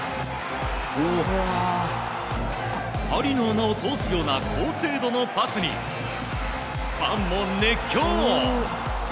針の穴を通すような高精度のパスにファンも熱狂！